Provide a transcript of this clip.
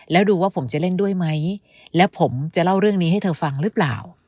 แล้วดูว่าผมจะเล่นด้วยไหมและผมจะเล่าเรื่องนี้ให้เธอฟังหรือเปล่า